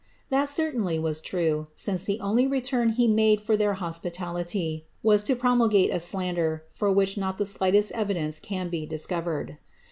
That certainly was true, since the only return be made for their hospitality, was to promulgate a slander, for which Dot the slightest evidence can be discovered.